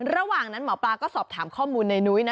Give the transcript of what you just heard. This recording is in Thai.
ระหว่างนั้นหมอปลาก็สอบถามข้อมูลในนุ้ยนะ